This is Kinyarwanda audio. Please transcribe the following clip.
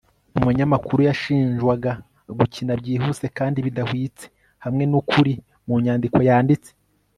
Umunyamakuru yashinjwaga gukina byihuse kandi bidahwitse hamwe nukuri mu nyandiko yanditse